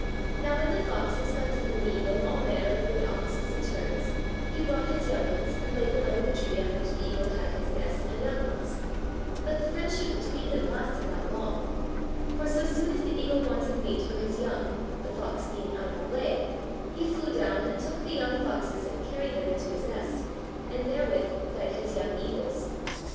Now when the Fox expected from the Eagle all manner of good offices and turns, he brought his young ones and laid them under the tree on which the Eagle had his nest and young ones; but the friendship between them lasted not long, for so soon as the Eagle wanted meat for his young (the Fox being out of the way), he flew down and took the young Foxes and carried them into his nest, and therewith fed his young Eagles.